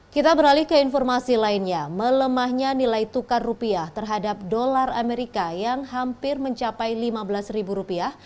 kita beralih ke informasi lainnya melemahnya nilai tukar rupiah terhadap dolar amerika yang hampir mencapai lima belas ribu rupiah